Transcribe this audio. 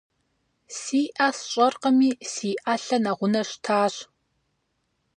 Си ӏэ сщӏэркъыми, си ӏэлъэ нэгъунэ щтащ.